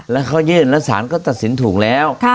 แล้วเขายื่นแล้วสารก็ตัดสินถูกแล้ว